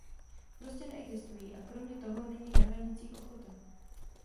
Prostě neexistují, a kromě toho není na hranicích ochota.